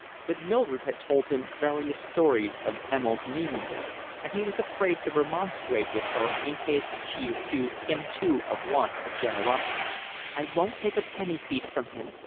But Mildred had told him various stories of Emil's meanness, and he was afraid to remonstrate with her in case she accused him too of want of generosity. "I wouldn't take a penny piece from him.